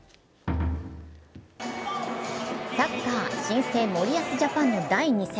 サッカー、新生・森保ジャパンの第２戦。